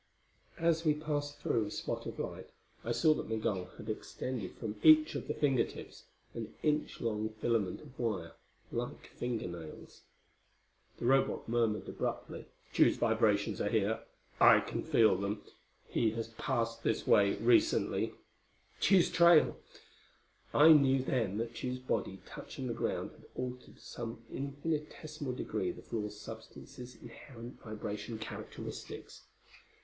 As we passed through a spot of light I saw that Migul had extended from each of the fingertips an inch long filament of wire, like finger nails. The Robot murmured abruptly, "Tugh's vibrations are here. I can feel them. He has passed this way recently." Tugh's trail! I knew then that Tugh's body, touching this ground, had altered to some infinitesimal degree the floor substance's inherent vibration characteristics.